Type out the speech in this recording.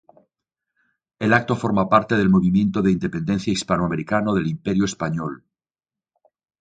El acto forma parte del movimiento de independencia hispanoamericana del Imperio Español.